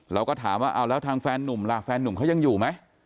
เราก็ถามว่าเอาแล้วทางแฟนนุ่มล่ะแฟนหนุ่มเขายังอยู่ไหม